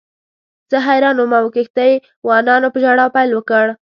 زه حیران وم او کښتۍ وانانو په ژړا پیل وکړ.